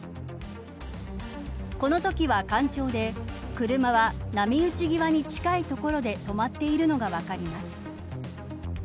このときは干潮で車は波打ち際に近い所で止まっているのが分かります。